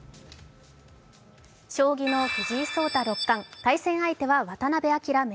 将棋の藤井聡太六冠対戦相手は渡辺明竜王。